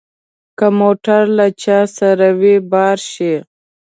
که موټر له چا سره وي بار شي.